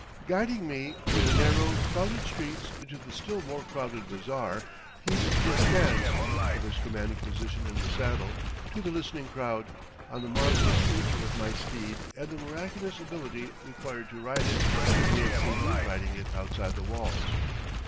Guiding me through the narrow, crowded streets into the still more crowded bazaar, he descants, from his commanding position in the saddle, to the listening crowd, on the marvellous nature of my steed and the miraculous ability required to ride it as he had seen me riding it outside the walls.